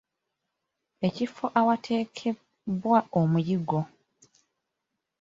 Ekifo awaterekebwa omuyingo?